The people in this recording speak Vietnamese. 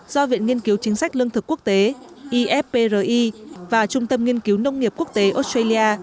do viện nghiên cứu chính sách lương thực quốc tế ifpri và trung tâm nghiên cứu nông nghiệp quốc tế australia